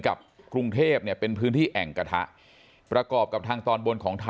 กับกรุงเทพเนี่ยเป็นพื้นที่แอ่งกระทะประกอบกับทางตอนบนของไทย